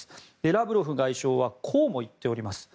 ラブロフ外相はこうも言っております。